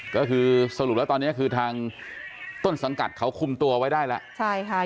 ก็คือสรุปแล้วตอนนี้คือทางต้นสังกัดเขาคุมตัวไว้ได้แล้วใช่ค่ะ